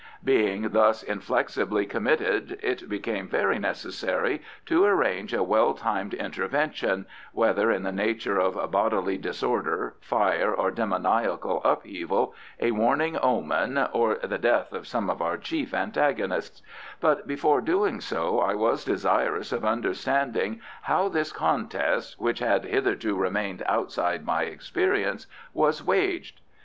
Being thus inflexibly committed it became very necessary to arrange a well timed intervention (whether in the nature of bodily disorder, fire, or demoniacal upheaval, a warning omen, or the death of some of our chief antagonists), but before doing so I was desirous of understanding how this contest, which had hitherto remained outside my experience, was waged.